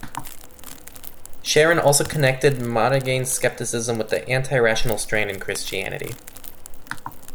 Charron also connected Montaigne's scepticism with the anti-rational strand in Christianity.